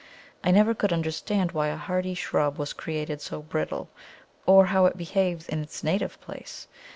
I never could understand why a hardy shrub was created so brittle, or how it behaves in its native place.